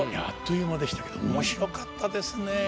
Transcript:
あっという間でしたけど面白かったですね。